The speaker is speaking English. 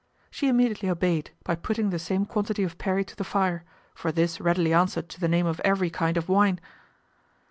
She immediately obeyed, by putting the same quantity of perry to the fire; for this readily answered to the name of every kind of wine.